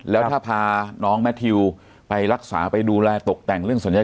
แล้วถ้าพาน้องแมททิวไปรักษาไปดูแล